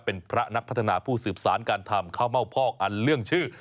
เป็นพระนักพัฒนาผู้สืบสารการทำข้าวเม่าพอกอันเรื่องชื่อ